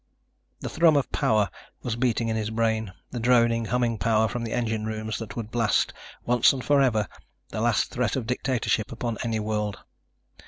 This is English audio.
The thrum of power was beating in his brain, the droning, humming power from the engine rooms that would blast, once and forever, the last threat of dictatorship upon any world.